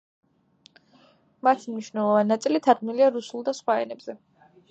მათი მნიშვნელოვანი ნაწილი თარგმნილია რუსულ და სხვა ენებზე.